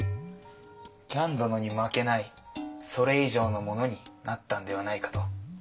喜屋武殿に負けないそれ以上のものになったんではないかと。